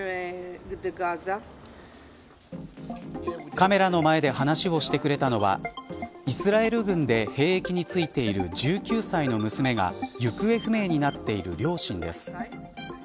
カメラの前で話をしてくれたのはイスラエル軍で兵役についている１９歳の娘が行方不明になっている両親です。